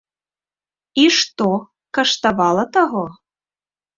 І што, каштавала таго?